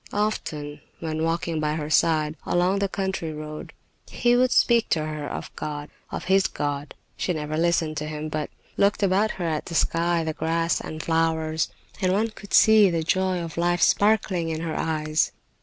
Often, when walking by her side, along the country road, he would speak to her of God, of his God. She never listened to him, but looked about her at the sky, the grass and flowers, and one could see the joy of life sparkling in her eyes.